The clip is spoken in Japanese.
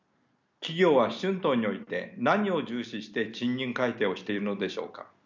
企業は春闘において何を重視して賃金改定をしているのでしょうか。